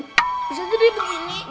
bisa jadi disini